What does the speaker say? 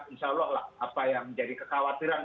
insya allah lah apa yang menjadi kekhawatiran